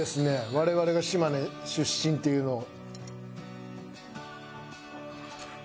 我々が島根出身っていうのを。